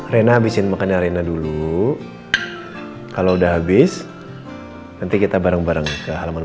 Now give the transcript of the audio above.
rena habisin makannya arena dulu kalau udah habis nanti kita bareng bareng ke halaman